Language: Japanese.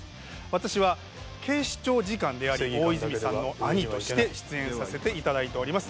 私は警視庁次官であり大泉さんの兄として出演させていただいております